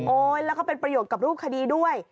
แล้วก็เป็นประโยชน์กับรูปคดีด้วย